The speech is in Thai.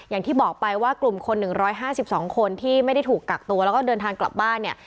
อย่างที่บอกไปว่ากลุ่มคน๑๕๒คนที่ไม่ได้ถูกกักตัวแล้วก็เดินทางกลับบ้านเนี่ย